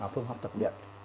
phương hợp tập luyện